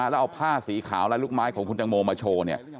แล้วเอาผ้าสีขาวและลูกไม้ของคุณตังโมมาโชว์เนี่ย